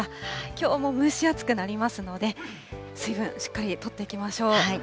きょうも蒸し暑くなりますので、水分、しっかりとっていきましょう。